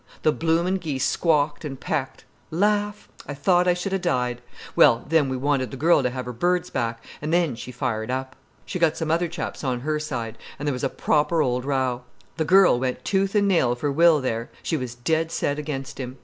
The bloomin' geese squawked an' pecked. Laugh—I thought I should a' died. Well, then we wanted the girl to have her birds back—and then she fired up. She got some other chaps on her side, and there was a proper old row. The girl went tooth and nail for Will there—she was dead set against him.